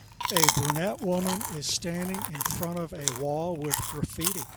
A brunette woman is standing in front of a wall with graffiti